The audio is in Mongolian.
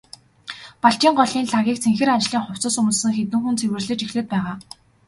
Балжийн голын лагийг цэнхэр ажлын хувцас өмссөн хэдэн хүн цэвэрлэж эхлээд байгаа.